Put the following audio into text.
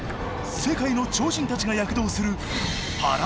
世界の超人たちが躍動する